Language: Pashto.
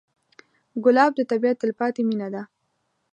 ګلاب د طبیعت تلپاتې مینه ده.